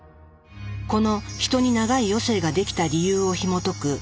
このヒトに長い余生ができた理由をひもとく